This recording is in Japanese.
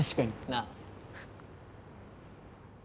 なあ。